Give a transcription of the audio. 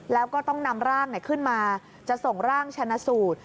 แล้วก็ต้องนำร่างขึ้นมาจะส่งร่างชนะสูตร